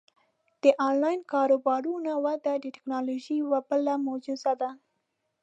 د آنلاین کاروبارونو وده د ټیکنالوژۍ یوه بله معجزه ده.